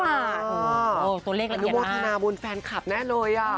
อันนี้มดทนาบุญแฟนคลับแน่เลยอ่ะ